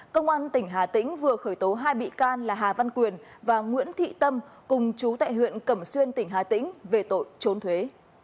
công an tỉnh hà tĩnh vừa khởi tố hai bị can là hà văn quyền và nguyễn thị tâm cùng chú tại huyện cẩm xuyên tỉnh hà tĩnh về tội trốn thuế